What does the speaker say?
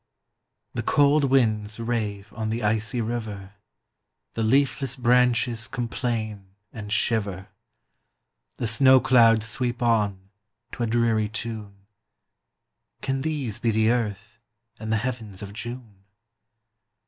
The cold winds rave on the icy river, The leafless branches complain and shiver, The snow clouds sweep on, to a dreary tune, Can these be the earth and the heavens of June?